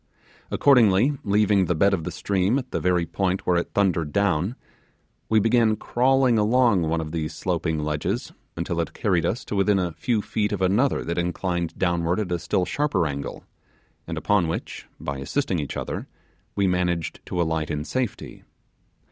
Accordingly, leaving the bed of the stream at the very point where it thundered down, we began crawling along one of those sloping ledges until it carried us to within a few feet of another that inclined downwards at a still sharper angle, and upon which, by assisting each other we managed to alight in safety.